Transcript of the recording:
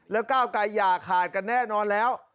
แล้วก้าวไกลอย่าขาดกันแน่นอนแล้ว